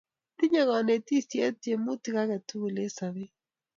Tinyei kanetisie tyemutik age tugul eng' sobet